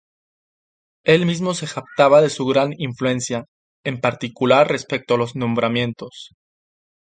Él mismo se jactaba de su gran influencia, en particular respecto a los nombramientos.